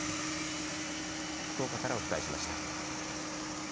福岡からお伝えしました。